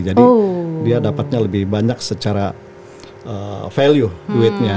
jadi dia dapatnya lebih banyak secara value duitnya